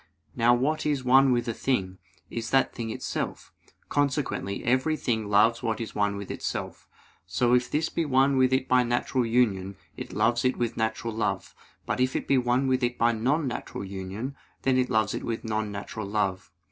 Now what is one with a thing, is that thing itself: consequently every thing loves what is one with itself. So, if this be one with it by natural union, it loves it with natural love; but if it be one with it by non natural union, then it loves it with non natural love.